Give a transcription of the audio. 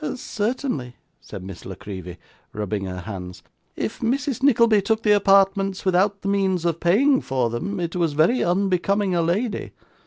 'Certainly,' said Miss La Creevy, rubbing her hands, 'if Mrs. Nickleby took the apartments without the means of paying for them, it was very unbecoming a lady.